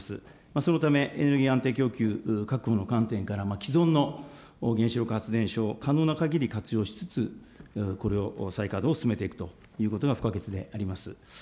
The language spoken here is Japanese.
そのため、エネルギー安定供給確保の観点から、既存の原子力発電所を可能なかぎり活用しつつ、これを再稼働を進めていくということが不可欠であります。